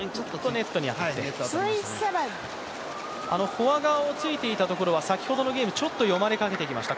フォア側を突いていたところは先ほどのゲーム、ちょっと読まれかけていました。